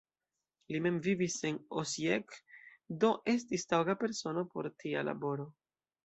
Li mem vivis en Osijek, do estis taŭga persono por tia laboro.